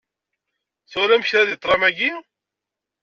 Twalam kra deg ṭlam-agi?